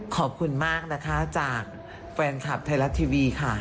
ขอบคุณมากนะคะจากแฟนคลับไทยรัฐทีวีค่ะ